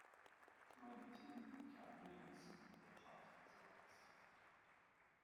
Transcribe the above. Ich meine, Themen wie die Kernenergie sind in der Tat sehr ernste Fragen.